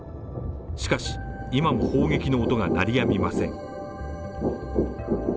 しかし、今も砲撃の音が鳴りやみません。